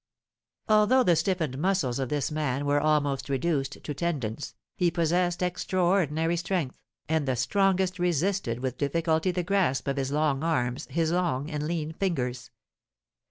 Although the stiffened muscles of this man were almost reduced to tendons, he possessed extraordinary strength, and the strongest resisted with difficulty the grasp of his long arms, his long and lean fingers.